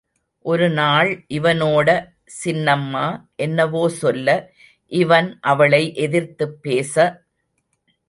ஒரு நாள் இவனோட சின்னம்மா என்னவோ சொல்ல, இவன் அவளை எதிர்த்துப் பேச.